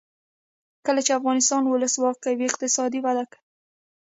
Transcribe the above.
کله چې افغانستان کې ولسواکي وي اقتصاد وده کوي.